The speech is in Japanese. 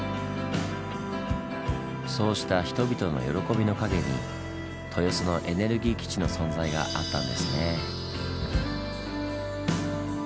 そうした人々の喜びの陰に豊洲のエネルギー基地の存在があったんですね。